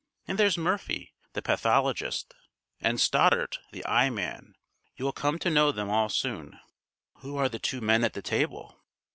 And there's Murphy, the pathologist, and Stoddart, the eye man. You'll come to know them all soon." "Who are the two men at the table?"